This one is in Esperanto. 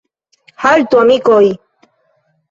Haltu, amikoj!